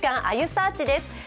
あゆサーチ」です。